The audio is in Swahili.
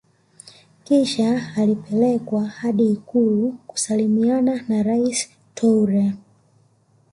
Kisha alipelekwa hadi ikulu kusalimiana na Rais Toure